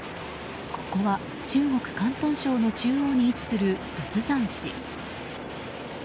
ここは中国・広東省の中央に位置する仏山市。